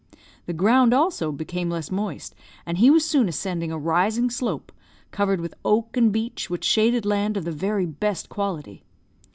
The ground, also, became less moist, and he was soon ascending a rising slope, covered with oak and beech, which shaded land of the very best quality.